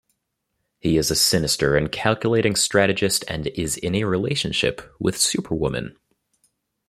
He is a sinister and calculating strategist and is in a relationship with Superwoman.